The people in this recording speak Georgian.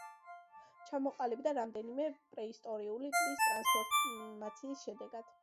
ჩამოყალიბდა რამდენიმე პრეისტორიული ტბის ტრანსფორმაციის შედეგად.